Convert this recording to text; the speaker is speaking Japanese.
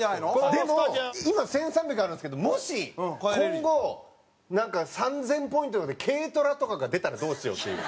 でも今１３００あるんですけどもし今後なんか３０００ポイントとかで軽トラとかが出たらどうしようっていう。